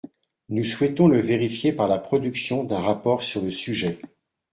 Nous souhaitons le vérifier par la production d’un rapport sur le sujet.